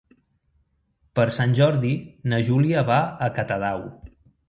Per Sant Jordi na Júlia va a Catadau.